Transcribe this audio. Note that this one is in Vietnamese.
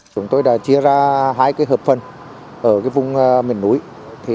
chúng tôi đã chia ra hai hợp phần ở vùng miền núi